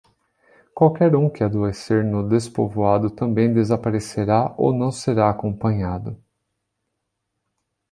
Qualquer um que adoecer no despovoado também desaparecerá ou não será acompanhado.